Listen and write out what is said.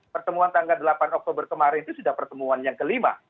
pertemuan tanggal delapan oktober kemarin itu sudah pertemuan yang kelima